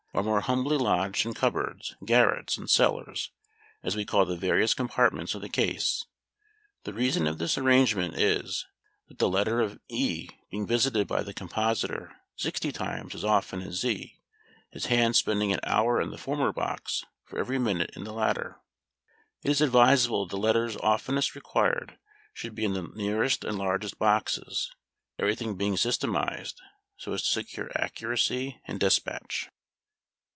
are more humbly lodged in cupboards, garrets, and cellars, as we call the various compartments of the case. The reason of this arrangement is, that the letter e being visited by the compositor sixty times as often as z, his hand spending an hour in the former box for every minute in the latter, it is advisable that the letters oftenest required should be in the nearest and largest boxes; everything being systematized so as to secure accuracy and despatch.